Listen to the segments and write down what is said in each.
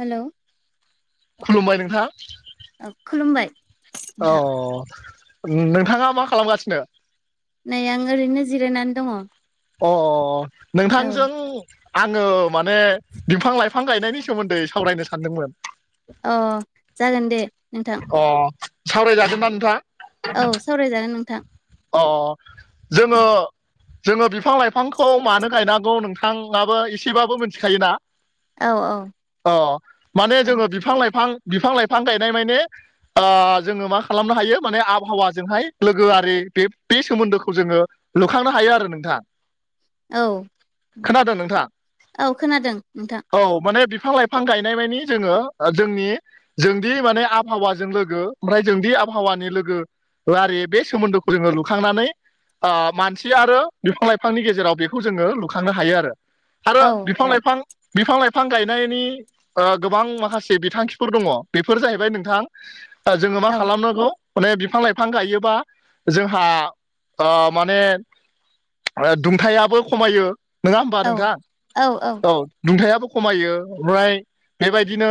हेल' खुलुमबाय नोंथां औ खुलुमबाय औ नोंथां नोंथाङा मा खालामगासिनो? नै आं ओरैनो जिरायनानै दङ' अ नोंथांजों आङो माने बिफां लाइफां गायनायनि सोमोन्दै सावरायनो सानदोंमोन। अ जागोन दे नोंथां अ सावरायजागोन ना नोंथां औ सावरायजागोन नोंथां अ अ जोङो जोङो बिफां लाइफांखौ मानो गायनांगौ नोंथाङाबो एसेबाबो मिथिखायोना औ औ अ माने औ जोङो बिफां लाइफां बिफां लाइफां गायनाय माने आ जोङो मा खालामनो हायो माने आबहावाजोंहाय लोगोआरि बे बे सोमोनदोखौ जोङो लुखांनो हायो आरो नोंथाङा औ औ खोनादों नोंथां औ खोनादों नोंथां औ माने बिफां लाइ फां गायनाय मानि जोङो जोंनि जोंदि माने आबहावाजों लोगो ओमफ्राय जोंदि आबहावानि लोगो आरो बे सोमोनदो खौ जोङो लुखांनानै मानसि आरो बिफां लाइफांनि गेजेराव बेखौ जोङो लुखांनो हायो आरो आरो औ बिफां औ लाइफां बिफां लाइफां गायनायनि गोबां माखासे बिथांखिफोर दङ' बेफोर जाहैबाय नोंथां जोङो मा औ खालामनांगौ माने बिफां लाइफां गायोबा जोंहा ओ माने दुंथायाबो खमायो नङा होमबा औ नोंथां औ नदुंथायाबो खमायो ओमफ्राय बेबायदिनो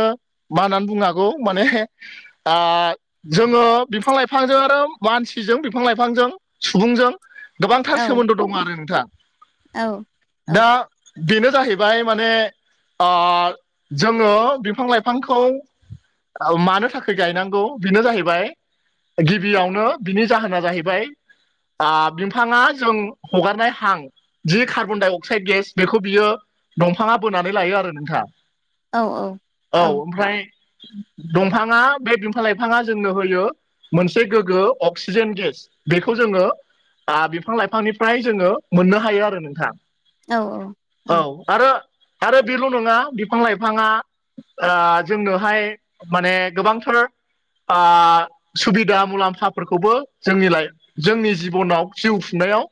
मा होननानै बुंनो हागौ माने दा जोङो बिफां लाइफांजों आरो मानसिजों बिफां लाइफांजों सुबुंजों औ गोबांथार सोमोनदो दङ आरो नोंथां औ औ दा बेनो जाहैबाय माने अ जोङो बिफां लाइफांखौ मानो थाखाय गायनांगौ बेनो जाहैबाय गिबियावनो बिनि जाहोना जाहैबाय आ बिफाङा जों हगारनाय हां जि कार्बन डाइ अक्साइद गेस बेखौ बियो दंफाङा बोनानै लायो आरो नोंथां औ औ ओमफ्राय दंफाङा बे बिफां लाइफाङा जोंनो होयो मोनसे गोग्गो अक्सिजेन गेस बेखौ जोङो आ‌ बिफां लाइफांनिफ्राय जोङो मोननो हायो आरो नोंथां औ औ-औ-औ आरो आरो बेल' नङा बिफां लाइफाङा ओ जोंनोहाय माने गोबांथार आ सुबिदा मुलाम्फा फोरखौबो जोंनि लाइ जोंनि जिबनाव जिउ खुंनायाव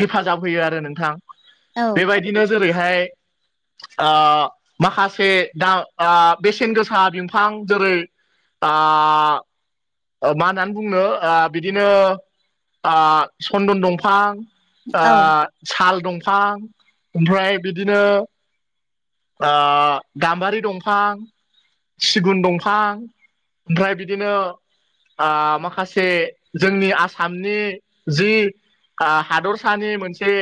हेफाजाब होयो आरो नोंथां बेबायदिनो जेरैहाय आ माखासे दाम बेसेन गोसा बिफां जेरै आ ओ मा होननानै बुंनो बिदिनो आ सनदन दंफां आ साल दंफां ओमफ्राय बिदिनो आ गामबारि दंफां सिगुन दंफां ओमफ्राय बिदिनो आ माखासे जोंनि आसामनि जि हादरसानि मोनसे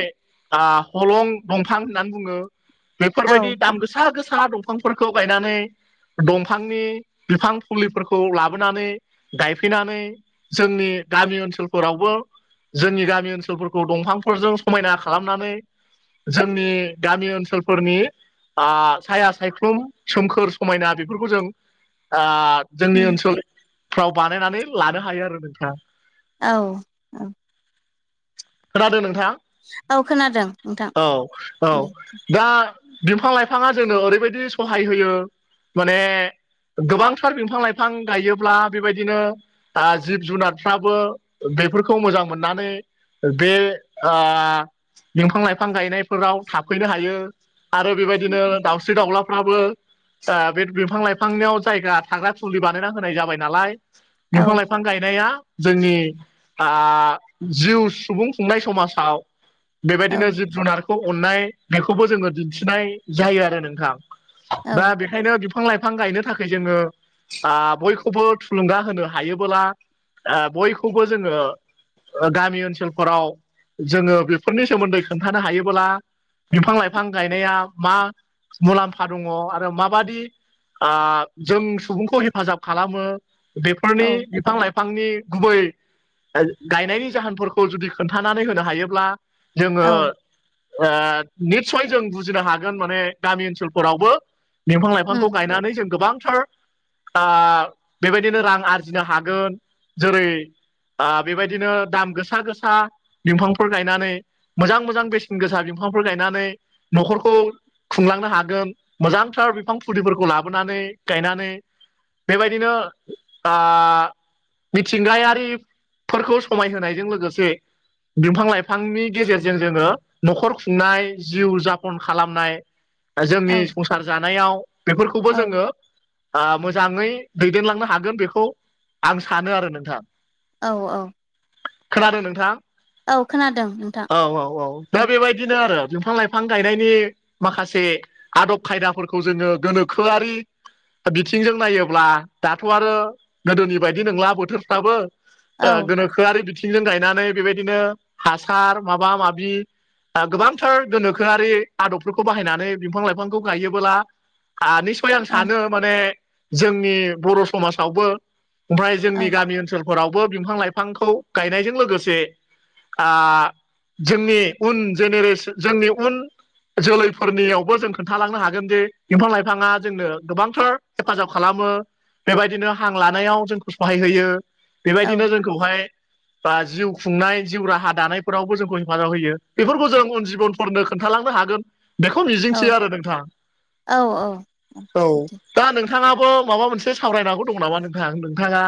हलं दंफां होननानै बुङो बेफोरबायदि दाम गोसा गोसा दं फांफोरखौ गायनानै दंफांनि बिफां फुलिफोरखौ लाबोनानै गायफैनानै जोंनि गामि ओनसोलफोरावबो जोंनि गामि ओनसोलफोरखौ दंफांफोरजों समायना खालामनानै जोंनि गामि ओनसोलफोरनि आ साया सायख्लुम सोमखोर समायना बेफोरखौ जों आ जोंनि ओनसोलफ्राव बानायनानै लानो हायो आरो नोंथां औ औ खोनादों नोंथाङा औ खोनादों नोंथां औ-औ दे दा बिफां लाइफाङा जोंनो ओरैबायदि सहाय होयो माने गोबांथार बिफां लाइफां गायोब्ला बेबायदिनो आ जिब जुनारफ्राबो बेफोरखौ मोजां मोननानै बे आ बिफां लाइफां गायनायफोराव थाफैनो हायो आरो बेबायदिनो दाउस्रि दाउला फ्रावबो बे बिफां लाइफांनियाव जायगा थाग्रा खुलि बानायना होनाय जाबाय नालाय औ बंफां लाइफां गायनाया जोंनि आ जिउ सुबुं खुंनाय समाजाव औ बेबायदिनो जिब जुनारखौ अननाय बेखौबो जोङो दिन्थिनाय जायो आरो नोंथां औ दा बेखायनो बिफां लाइफां गायनो थाखाय जोङो आ बयखौ खौबो थुलुंगा होनो हायोबोला ओ बयखौबो जोङो गामि ओनसोलफोराव जोङो बेफोरनि सोमोनदै खोनथानो हायोबोला बिफां लाइफां गायनाया मा मुलाम्फा दङ आरो माबादि जों सुबुंखौ हेफाजाब खालामो औ बेफोरनि बिफां लाइफा फांनि गुबै गायनायनि जाहोनफोरखौ जुदि खोन्थानानै होनो हायोब्ला जोङो औ आ निसय जों बुजिनो हागोन माने गामि ओनसोलफोरावबो बिफां उम लाइफांखौ गायनानै जों गोबांथार आ बेबायदिनो रां आरजिनो हागोन जेरै बेबायदिनो दाम गोसा गोसा बिफांफोर गायनानै मोजां मोजां बेसेन गोसा बिफांफोर गायनानै न'खरखौ खुंलांनो हागोन मोजांथार बिफां फुलिफोरखौ लाबोनानै गायनानै बेबायदिनो आ मिथिंगायारिफोरखौ समायहोनायजों लोगोसे बिफां लाइफांनि गेजेरजों जोङो न'खर खुंनाय जिउ जापन खालामनाय जोंनि औ संसार जानायाव बेफोरखौबो औ जोङो मोजाङै दैदेनलांनो हागोन बेखौ आं सानो आरो नोंथां औ-औ खोनादों नोंथां औ खोनादों नोंथां औ-औ-औ दा औ बेबायदिनो आरो बिफां लाइफां गायनायनि माखासे आदब खायदाफोरखौ जोङो गोनोखोआरि बिथिंजों नायोब्ला दाथ' आरो गोदोनि बायदि नंला बोथोरफ्राबो औ ओ गोनोखो खोआरि बिथिंजों गायनानै बेबायदिनो हासार माबा माबि आरो गोबांथार गोनोखोआरि आदबफोरखौ बाहायनानै बिफां लाइफांखौ गायोबोब्ला हा निस्य आं औ सानो माने जोंनि बर' समाजावबो ओमफ्राय औ जोंनि गामि ओनसोलफोरावबो बिंफां लाइफांखौ गायनायजों लोगोसे आ जोंनि उन जेनेरेसन जोंनि उन जोलैफोरनियावबो जों खोन्थालांनो हागोन दि बिंफां लाइफाङा जोंनो गोबांथार हेफाजाब खालामो बेबायदिनो हां लानायाव जोंखौ सहाय होयो बेबायदिनो जोंखौहाय बा जिउ खुंनाय जिउ राहा दानायफोरावबो जोंखौ हेफाजाब होयो बेफोरखौ जों उन जिबन फोरनो खोन्थालांनो हागोन बेखौ औ मिजिंथियो आरो नोंथां औ औ सैथो दा नोंथाङाबो माबा मोनसे सावरायनांगौ दं नामा नोंथां नोंथाङा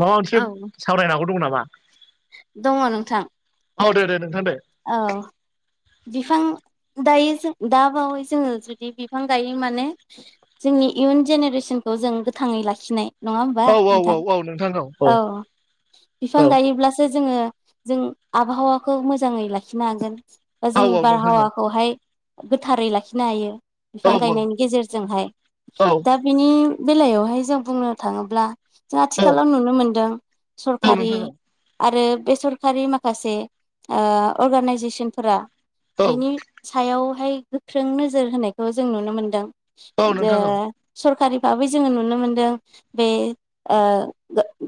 माबा मोनसे औ सावरायनांगौ दं नामा दङ नोंथां औ दे दे नोंथां दे औ बिफां दायो जों दा बावै जोङो जुदि बिफां गायो माने जोंनि इयुन जेनेरेसनखौ जों गोथाङै लाखिनाय नङा होमबा औ औ औ नोंथां औ नोंथां औ बिफां औ गायोब्लासो जोङो जों आबहावाखौ मोजाङै लाखिनो हागोन बा औ जोंनि नोंथां औ बारहावाखौहाय गोथारै लाखिनो हायो बिफां औ गायनायनि गेजेरजोंहाय औ दा बिनि बेलायावहाय जों बुंनो थाङोब्ला जों औ आथिखालाव नुनो मोनदों औ सरखारि नोंथां औ आरो बे सरखारि माखासे ओ अर्गानइजेसनफोरा औ बिनि सायावहाय गोख्रों नोजोर होनायखौ जों नुनो मोनदों औ जे नोंथां औ सरकारि भाबै जोङो नुनो मोनदों बे ओ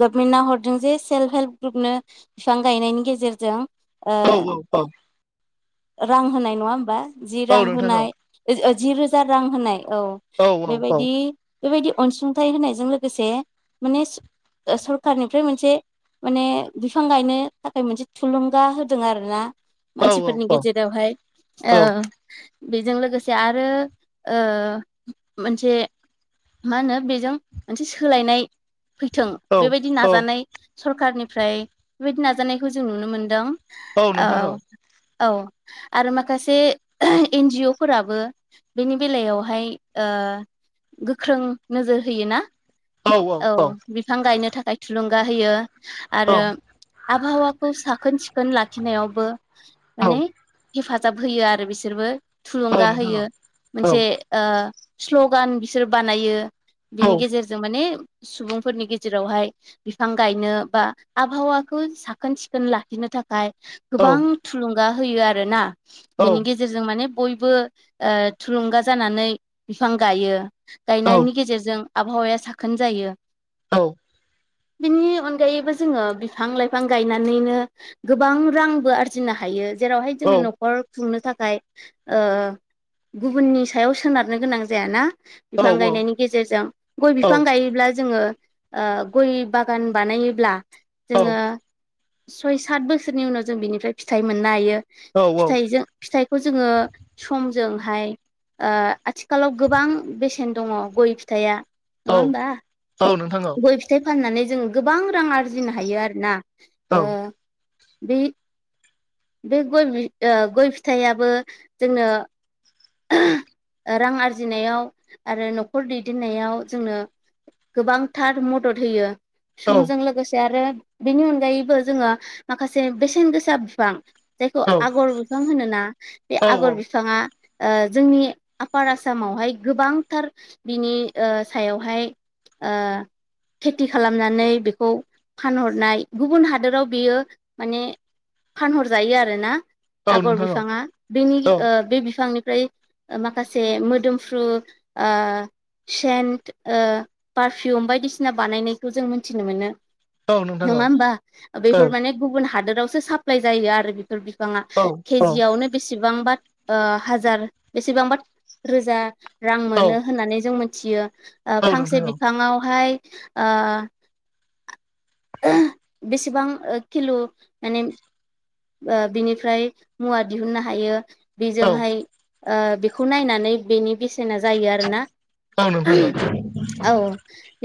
गभमेन्टआ हरदों जे सेल्फ हेल्प ग्रुपनो बिफां गायनायनि गेजेरजों ओ औ औ औ रां होनाय नङा होमबा जि औ रां नोंथां औ होनाय जि रोजा रां होनाय औ औ बेबायदि बेबायदि अनसुंथाइ होनायजों लोगोसे माने सरखारनिफ्राय मोनसे माने बिफां गायनो थाखाय मोनसे थुलुं गा होदों आरोना औ मानसिफोरनि गेजेरावहाय औ ओ बेजों लोगोसे आरो ओ मोनसे मा होनो बेजों मोनसे सोलायनाय फैथों बेबायदि औ नाजानाय सरखारनिफ्राय बेबायदि नाजानायखौ जों नुनो मोनदों औ औ आरो माखासे एनजिअ फोराबो बेनि बेलायावहाय ओ गोख्रों नोजोर होयोना औ बिफां गायनो थाखाय थुलुंगा होयो। आरो आबहावाखौ साखोन सिखोन लाखिनायावबो औ माने हेफाजाब होयो आरो बिसोरबो औ थुलुंगा नोंथां औ नोंथां औ नोंथां औ होयो औ मोनसे नोंथां औ ओ स्ल'गान बिसोर बानायो बिनि गेजेरजों माने सुबुंफोरनि गेजेरावहाय बिफां गायनो बा आबहावाखौ साखोन सिखोन ला खिनो थाखाय गोबां थुलुंगा होयो आरोना बेनि गेजे गेजेरजों माने बयबो थुलुंगा जानानै बिफां गायो। गायनायनि गेजेरजों आबहावाया साखोन जायो। औ बिनि अनगायैबो जोङो बिफां लाइफां गायनानैनो गोबां रांबो आरजिनो हायो जेरावहाय जोङो नखर खुंनो थाखाय ओ गुबुननि सायाव सोनारनो गोनां जायाना बिफां गायनायनि गेजेरजों गय बिफां गायोब्ला जोङो ओ गय बागान बानायोब्ला जोङो सय सात बोसोरनि उनाव जों बिनिफ्राय फिथाइ मोननो हायो फिथाइजों फिथाइखौ जोङो समजोंहाय ओ आथिखालाव गोबां बेसेन दङ गय फिथाया। नङा ओमबा गय फिथाइ फाननानै जोंङो गोबां रां आरजिनो हायो आरोना ओ बे बे गय ओ गय फिथायाबो जोंनो रां आरजिनायाव आरो नखर दैदेननायाव जोंनो गोबांथार मदद होयो समजों लोगोसे आरो बेनि अनगायैबो जोङो माखासे बेसेन गोसा फिफां जायखौ आगर बिफां होनोना बे आगर बिफाङा जोंनि आफार आसामावहाय गोबांथार बिनि सायावहाय ओ खेथि खालामनानै बेखौ फानहरनाय गुबुन हादोराव बियो माने फानहरजायो आरोना आगर बिफाङा बेनि बे बिफांनि फ्राय माखासे मोदोमफ्रु ओ सेन्ट पारफिउम बायदिसिना बानायनायखौ जों मिथिनो मोनो। नङा होमबा बेफोर माने गुबुन हादोरावसो साप्लााय जायो आरो बेफोर बिफाङा केजियावनो बेसेबांबा ओ हाजार बेसेबांबा रोजा रां मोनो होननानै जों मिथियो। फांसे बिफाङावहाय ओ बेसेबां किलु माने बिनिफ्राय मुवा दिहुननो हायो बेजोंहाय ओ बेखौ नायनानै बेनि बेसेना जायो आरोना नोंथां औ।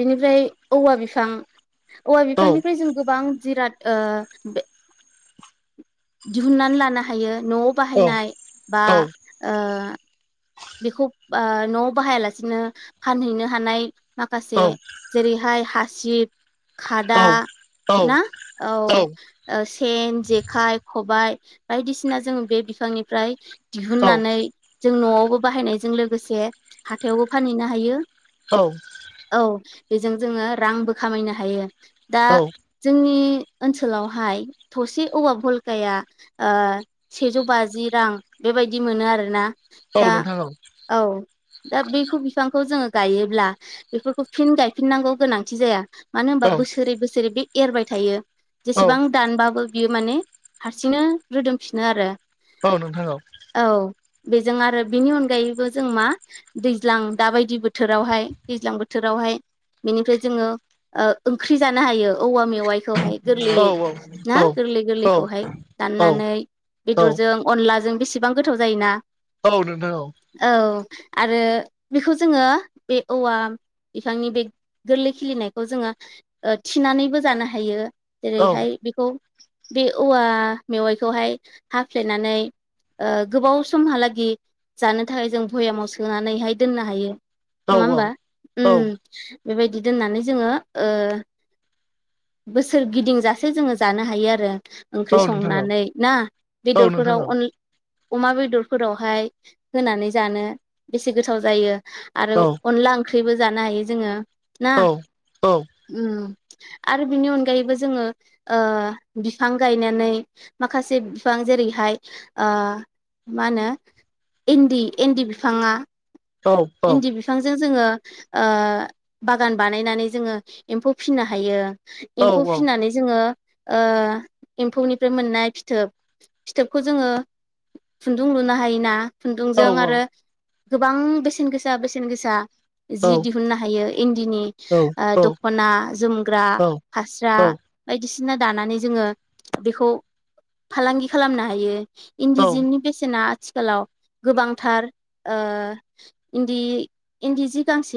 बेनिफ्राय औवा बिफां औवा औ औ बिफांनिफ्राय जों गोबां जिराद ओ बे दिहुननानै लानो हायो न'वाव औ बाहायनाय बा औ ओ बेखौ ओ न'वाव बाहायालासिनो फानहैनो हानाय औ माखासे जेरैहाय हासिब औ खादा ना औ सेन जेखाइ खबाय बायदिसिना जों बे बिफांनिफ्राय दिहुननानै जों न'आवबो बाहायनायजों लोगोसे हाथायावबो फानहैनो हायो औ औ बेजों जोङो रांबो खामायनो हायो दा औ जोंनि ओनसोलावहाय थसे औवा भलकाया ओ सेजौ बाजि रां बेबायदि मोनो आरोना औ दा नोंथां औ दा बेखौ बिफांखौ जोङो गायोब्ला बेफोरखौ फिन गायफिननांगौ गोनांथि जाया। मानो औ होनोमबा बोसोरै बोसोरै बे एरबाय थायो औ जेसेबां दानबाबो बियो माने हारसिंनो रोदोमफिनो आरो। औ नोंथां औ औ बेजों आरो बिनि अन अनगायैबो जों मा दैज्लां दाबायदि बोथोरावहाय दैज्लां बोथोरावहाय बेनिफ्राय जोङो ओंख्रि जानो हायो औवा मेवाइ हाय औ गोरलैयै ना गोरलैयै गोरलैखौहाय औ दाननानै बेदरजों अनलाजों बेसेबां गोथाव जायोना। औ नोंथां औ औ आरो बेखौ जोङो बे औवा बिफांनि बे गोरलै खिलिनायखौ जोङो थिनानैबो जानो हायो औ जेरैहाय बेखौ बे औवा मेवाइखौहाय हाफ्लेनानै गोबाव समहालागि जानो थाखाय जों भयामाव सोनानैहाय दोननो हायो औ नङा होमबा औ नोंथां औ बेबायदि दोननानै जोङो ओ बोसोर गिदिंजासे जोङो जानो हायो आरो औ ओंख्रि नोंथां औ संनानै ना बेदरफोराव अन औ अमा बेदरफोरावहाय होनानै जानो बेसे गोथाव जायो आरो अनला ओंख्रिबो जानो हायो जोङो ना आरो बिनि अनगायैबो जोङो बिफां गायनानै माखासे बिफां जेरैहाय ओ मा होनो इन्दि इन्दि बिफाङा इन्दि बि बिफांजों जोङो बागान बानायनानै जोङो एम्फौ फिनो हायो। एम्फौ फिनानै जोङो एम्फौनिफ्राय मोननाय फिथोब फिथोबखौ जोङो खुन्दुं लुनो हायोना खुन्दुंजों आरो गोबां बेसेन गोसा बेसेन गोसा जि दि दिहुननो हायो इन्दिनि दख'ना जोमग्रा फास्रा औ बायदिसिना दानानै जोङो बेखौ फालांगि खालामनो हायो औ इन्दिजिननि बेसेना आथिखालाव गोबांथार इन्दि इन्दि जि गांसे